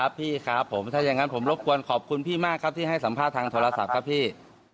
พี่ครับผมถ้าอย่างนั้นผมรบกวนขอบคุณพี่มากครับที่ให้สัมภาษณ์ทางโทรศัพท์ครับพี่